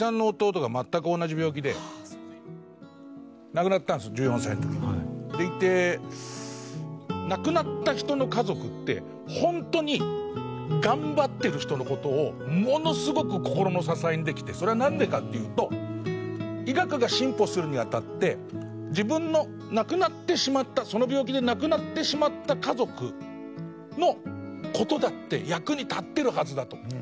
亡くなったんです１４歳の時に。で亡くなった人の家族って本当に頑張ってる人の事をものすごく心の支えにできてそれはなんでかっていうと医学が進歩するにあたって自分の亡くなってしまったその病気で亡くなってしまった家族の事だって役に立ってるはずだと。